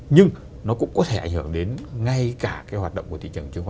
nhưng nó cũng có thể ảnh hưởng đến ngay cả cái hoạt động của thị trường